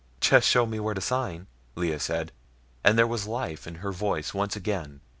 "Just show me where to sign," Lea said, and there was life in her voice once again.